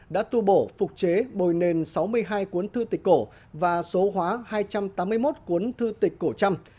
đã tu bổ phục chế bồi nền sáu mươi hai cuốn thư tịch cổ và số hóa hai trăm tám mươi một cuốn thư tịch cổ trăm